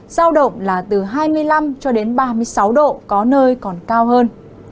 giao động là từ hai mươi năm cho đến ba mươi sáu độ có nơi còn cao hơn